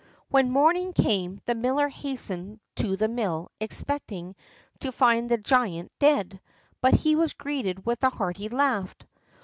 When morning came the miller hastened to the mill expecting to find the giant dead, but he was greeted with a hearty laugh.